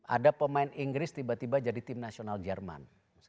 ada pemain inggris tiba tiba jadi tim nasional jerman